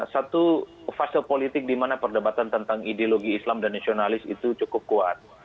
satu fase politik di mana perdebatan tentang ideologi islam dan nasionalis itu cukup kuat